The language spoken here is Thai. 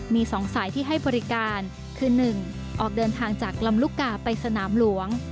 มี๒สายที่ให้บริการคือ๑ออกเดินทางจากลำลูกกาไปสนามหลวง